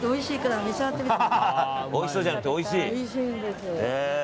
おいしそうじゃなくておいしい。